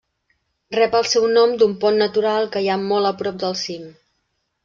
Rep el seu nom d'un pont natural que hi ha molt a prop del cim.